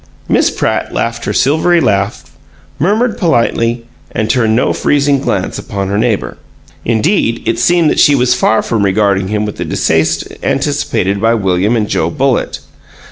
Miss Pratt laughed her silvery laugh, murmured politely, and turned no freezing glance upon her neighbor. Indeed, it seemed that she was far from regarding him with the distaste anticipated by William and Joe Bullitt.